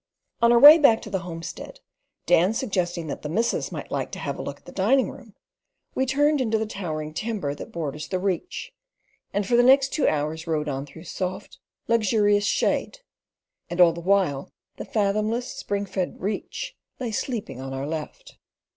On our way back to the homestead, Dan suggesting that the "missus might like to have a look at the dining room," we turned into the towering timber that borders the Reach, and for the next two hours rode on through soft, luxurious shade; and all the while the fathomless spring fed Reach lay sleeping on our left.